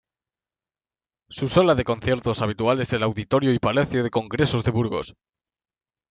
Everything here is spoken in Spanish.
Su sala de conciertos habitual es el Auditorio y Palacio de Congresos de Burgos.